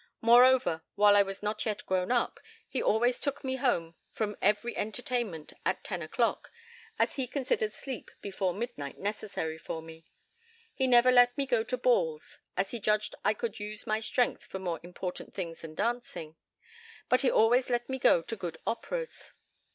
Moreover, while I was not yet grown up, he always took me home from every entertainment at ten o'clock, as he considered sleep before midnight necessary for me. He never let me go to balls, as he judged I could use my strength for more important things than dancing; but he always let me go to good operas.